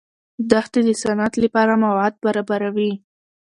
دښتې د صنعت لپاره مواد برابروي.